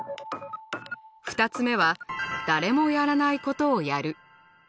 ２つ目は誰もやらないことをやる。